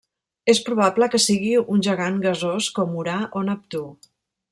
És probable que sigui un gegant gasós com Urà o Neptú.